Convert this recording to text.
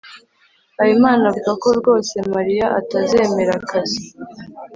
habimana avuga ko rwose mariya atazemera akazi